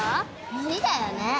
無理だよね